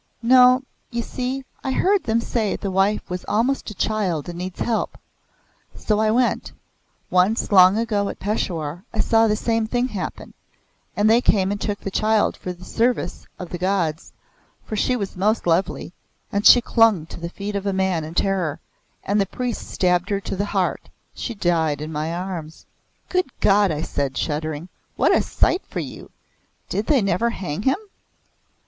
"No, you see I heard them say the wife was almost a child and needs help. So I went. Once long ago at Peshawar I saw the same thing happen, and they came and took the child for the service of the gods, for she was most lovely, and she clung to the feet of a man in terror, and the priest stabbed her to the heart. She died in my arms. "Good God!" I said, shuddering; "what a sight for you! Did they never hang him?"